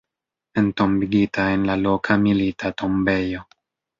Entombigita en la loka Milita Tombejo.